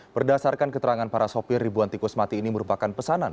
berdasarkan keterangan para sopir ribuan tikus mati ini merupakan pesanan